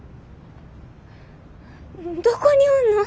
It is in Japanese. どこにおんの？